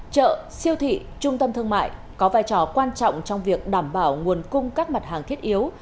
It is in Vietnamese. chợ siêu thị trung tâm thương mại có vai trò quan trọng trong việc đảm bảo nguồn cung các mặt hàng thiết yếu